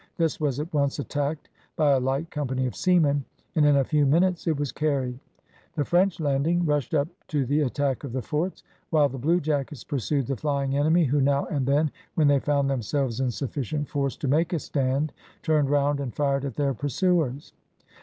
This was at once attacked by a light company of seamen, and in a few minutes it was carried; the French landing, rushed up to the attack of the forts, while the bluejackets pursued the flying enemy, who now and then, when they found themselves in sufficient force to make a stand, turned round and fired at their pursuers.